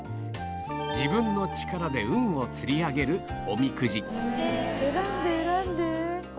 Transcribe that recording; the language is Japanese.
自分の力で運を釣り上げるおみくじ選んで選んで。